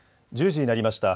１０時になりました。